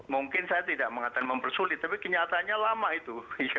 mungkin saya tidak mengatakan mempersulit tapi kenyataannya lama itu